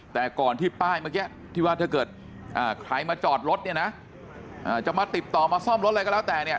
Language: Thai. แต่ก่อนที่ป้ายเมื่อกี้ที่ว่าถ้าเกิดใครมาจอดรถเนี่ยนะจะมาติดต่อมาซ่อมรถอะไรก็แล้วแต่เนี่ย